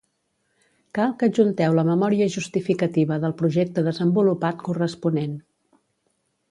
Cal que adjunteu la memòria justificativa del projecte desenvolupat corresponent.